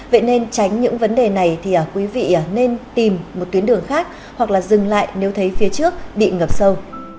vậy nên tránh những vấn đề này thì quý vị nên tìm một tuyến đường khác hoặc là dừng lại nếu thấy phía trước bị ngập sâu